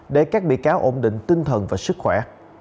để các bị cáo ổn định tinh thần và sức khỏe